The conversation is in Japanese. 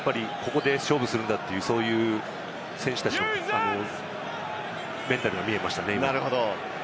ここで勝負するんだっていう選手のメンタルが見えましたね。